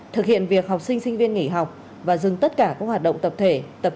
thực hiện việc học sinh sinh viên nghỉ học và dừng tất cả các hoạt động tập thể